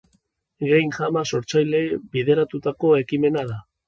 Game Jama sortzaileei bideratutako ekimena da